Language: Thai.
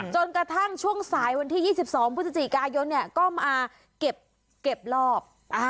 จนกระทั่งช่วงสายวันที่๒๒พฤศจิกายนก็มาเก็บรอบ